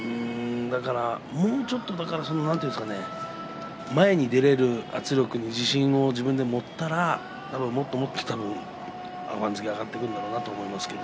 もうちょっと前に出られる圧力に自信を自分で持ったらもっと番付が上がってくるんじゃないかなと思います。